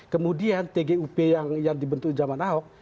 kemudian tgup yang dibentuk zaman ahok